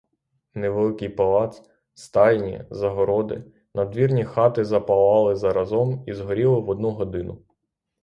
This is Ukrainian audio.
Невеликий палац, стайні, загороди, надвірні хати запалали заразом і згоріли в одну годину.